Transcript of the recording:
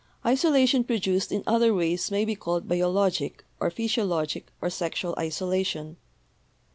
Isolation produced in other ways may be called biologic or physiologic or sexual isolation.